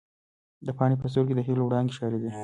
د پاڼې په سترګو کې د هیلو وړانګې ښکارېدې.